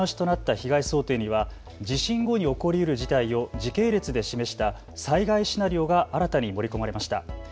１０年ぶりの見直しとなった被害想定には地震後に起こりうる事態を時系列で示した災害シナリオが新たに盛り込まれました。